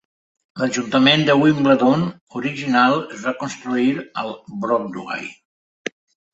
L'ajuntament de Wimbledon original es va construir al Broadway.